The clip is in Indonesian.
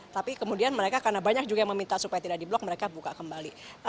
tapi kemudian mereka karena banyak juga yang meminta supaya tidak di blok mereka buka kembali